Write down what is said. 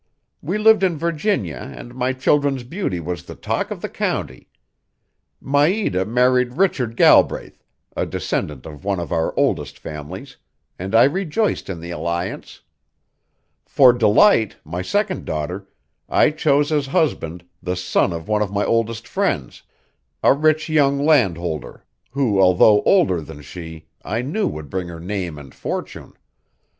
We lived in Virginia and my children's beauty was the talk of the county. Maida married Richard Galbraith, a descendant of one of our oldest families, and I rejoiced in the alliance. For Delight, my second daughter, I chose as husband the son of one of my oldest friends, a rich young landholder who although older than she I knew would bring her name and fortune.